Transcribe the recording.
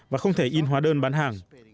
và không thể in hóa đơn bán hàng